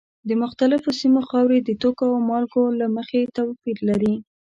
د مختلفو سیمو خاورې د توکو او مالګو له مخې توپیر لري.